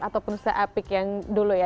ataupun se epic yang dulu ya